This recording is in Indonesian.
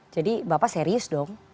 jadi bapak serius dong